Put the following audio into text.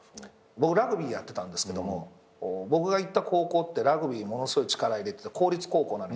僕ラグビーやってたんですけども僕が行った高校ってラグビーものすごい力入れてて公立高校なのに伝統校で。